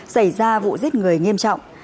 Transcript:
xảy ra vụ giết người nghiêm trọng